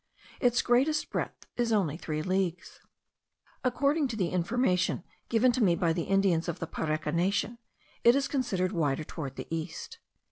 Its greatest breadth is only three leagues. According to information given me by the Indians of the Pareka nation, it is considerably wider toward the east.